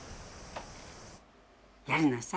やりなさい。